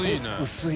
薄い。